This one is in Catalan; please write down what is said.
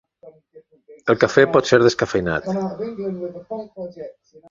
El cafè pot ser descafeïnat.